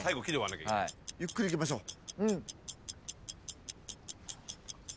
ゆっくりいきましょう。